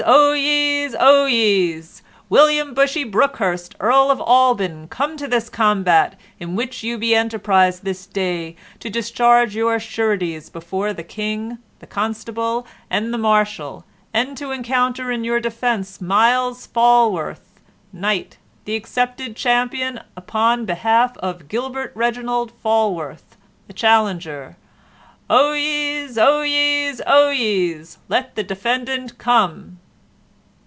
Oyez! Oyez! William Bushy Brookhurst, Earl of Alban, come to this combat, in which you be enterprised this day to discharge your sureties before the King, the Constable, and the Marshal, and to encounter in your defence Myles Falworth, knight, the accepted champion upon behalf of Gilbert Reginald Falworth, the challenger! Oyez! Oyez! Oyez! Let the defendant come!"